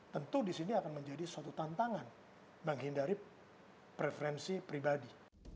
tentu disini akan menjadi suatu tantangan menghindari preferensi pribadi